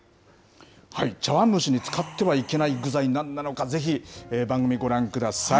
茶わん蒸しに使ってはいけない具材なんなのか、ぜひ番組ご覧ください。